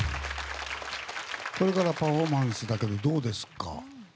これからパフォーマンスだけどどうですか？